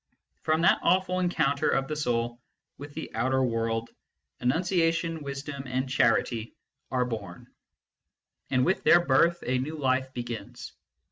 From that awful encounter of the soul with the outer world, enunciation, wisdom, and charity are born ; and with A FREE MAN S WORSHIP 55 their birth a new life begins.